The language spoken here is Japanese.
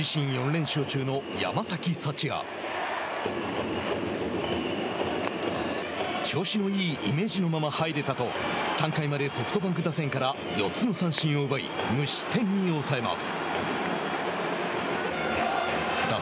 そのほかの試合と合わせてオリックスの先発は自身４連勝中の山崎福也。調子のいいイメージのまま入れたと３回までソフトバンク打線から４つの三振を奪い無失点に抑えます。